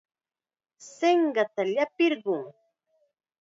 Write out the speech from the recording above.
Sinqanta llapirqun.